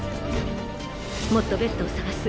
もっとベッドを探す。